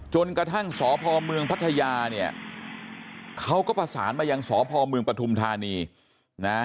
จนกระทั่งสพมปทยเนี่ยเขาก็ประสานยังสพมปทุมธานีนะ